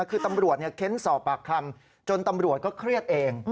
คือตำรวจเค้นสอบปากคำจนตำรวจก็เครียดเอง